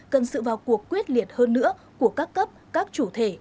cần sự vào cuộc quyết liệt hơn nữa của các cấp các chủ thể